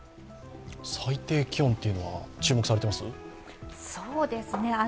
最低気温っていうのは注目されてます？